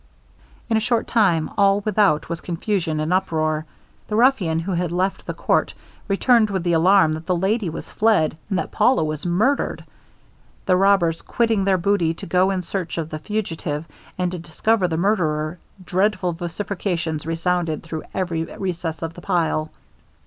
In a short time all without was confusion and uproar; the ruffian who had left the court returned with the alarm that the lady was fled, and that Paulo was murdered, The robbers quitting their booty to go in search of the fugitive, and to discover the murderer, dreadful vociferations resounded through every recess of the pile.